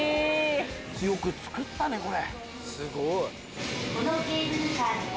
よく造ったねこれ。